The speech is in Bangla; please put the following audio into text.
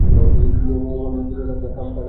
অমন খামকা রাগ কোরো না বৌ।